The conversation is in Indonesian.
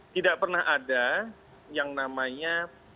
tidak pernah ada yang namanya